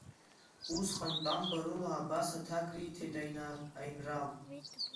Усҟан тәамбарыла абас аҭак риҭеит аинрал…